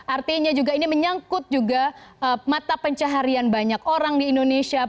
artinya juga ini menyangkut juga mata pencaharian banyak orang di indonesia